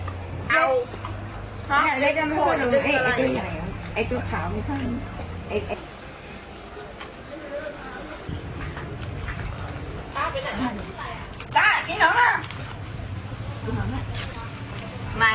ทอคเล็กโฟนไอ้ตุ๊กขาวไอ้ตุ๊กขาว